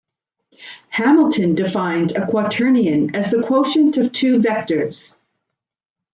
Hamilton defined a quaternion as the quotient of two vectors.